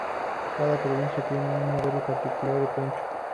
Cada provincia tiene un modelo particular de poncho.